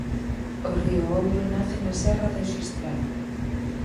O río Ouro nace na serra do Xistral.